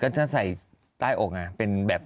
เออก็ตั้งใส่ใต้อกเป็นแบบ